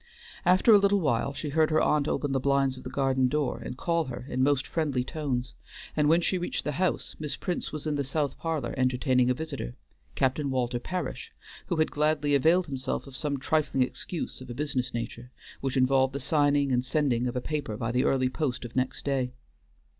After a little while she heard her aunt open the blinds of the garden door and call her in most friendly tones, and when she reached the house Miss Prince was in the south parlor entertaining a visitor, Captain Walter Parish, who had gladly availed himself of some trifling excuse of a business nature, which involved the signing and sending of a paper by the early post of next day.